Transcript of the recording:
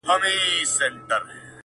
په گيلاس او په ساغر دي اموخته کړم